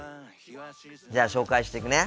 じゃあ紹介していくね。